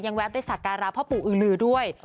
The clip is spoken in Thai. ยังแวะไปสัตว์การราบพ่อปู่อือลือด้วย